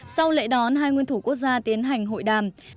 sau lễ đón hai nguyên thủ quốc gia tiến hành hội đàm